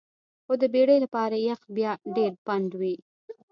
خو د بیړۍ لپاره یخ بیا ډیر پنډ وي